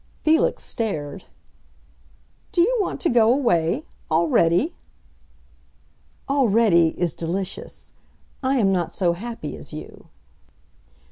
Felix stared. "Do you want to go away—already?" "'Already' is delicious. I am not so happy as you."